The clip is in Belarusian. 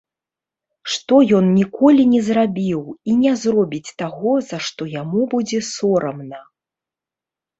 Што ён ніколі не зрабіў і не зробіць таго, за што яму будзе сорамна.